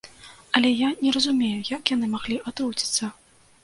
Але я не разумею, як яны маглі атруціцца?